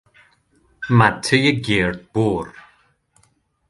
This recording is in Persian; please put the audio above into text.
مته گردبر